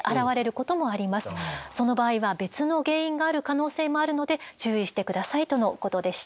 その場合は別の原因がある可能性もあるので注意して下さいとのことでした。